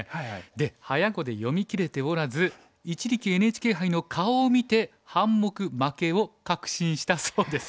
で早碁で読みきれておらず一力ＮＨＫ杯の顔を見て半目負けを確信したそうです。